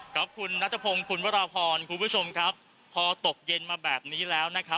ครับคุณนัทพงศ์คุณวราพรคุณผู้ชมครับพอตกเย็นมาแบบนี้แล้วนะครับ